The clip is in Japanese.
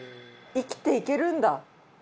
生きていけるんだ。